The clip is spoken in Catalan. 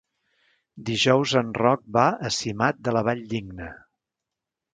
Dijous en Roc va a Simat de la Valldigna.